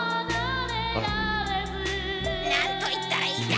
何と言ったらいいか。